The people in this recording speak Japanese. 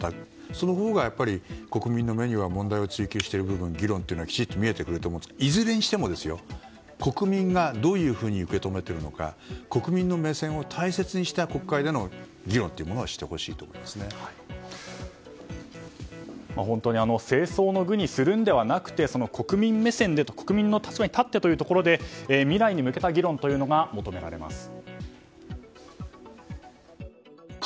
そのほうがやっぱり国民の目には問題を追及している部分議論というのはきちっと見えてくると思いますしいずれにしても国民が、どういうふうに受け止めているのか国民の目線を大切にした国会での議論を政争の具にするのではなくて国民目線で、国民の立場に立って未来に向けた議論が求められます。